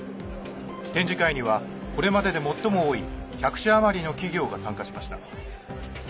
展示会には、これまでで最も多い１００社余りの企業が参加しました。